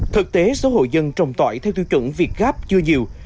thực tế số hộ dân trồng tỏi theo tiêu chuẩn việt gáp chưa nhiều